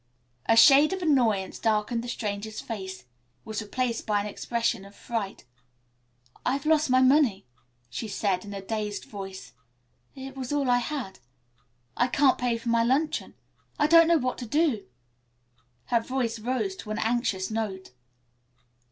A shade of annoyance darkened the stranger's face. It was replaced by an expression of fright. "I've lost my money," she said in a dazed voice. "It was all I had. I can't pay for my luncheon. I don't know what to do." Her voice rose to an anxious note.